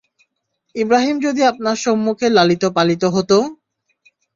ইবরাহীম যদি আপনার সম্মুখে লালিত-পালিত হত!